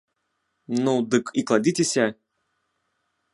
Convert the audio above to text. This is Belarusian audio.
Ну, дык і кладзіцеся.